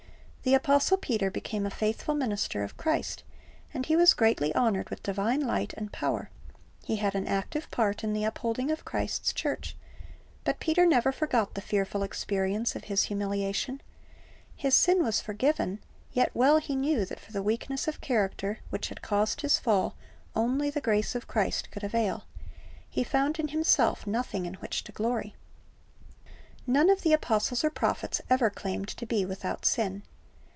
The apostle Peter became a faithful minister of Christ, and he was greatly honored with divine light and power; he had an active part in the upbuilding of Christ's church; but Peter never forgot the fearful experience of his humiliation; his sin was forgiven; yet well he knew that for the weakness of character which had caused his fall only the grace of Christ could avail. He found in himself nothing, in which to glory. None of the apostles or prophets ever claimed to be without sin.